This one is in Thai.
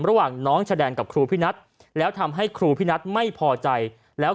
ระหว่างน้องชะแดนกับครูพี่นัทแล้วทำให้ครูพี่นัทไม่พอใจแล้ว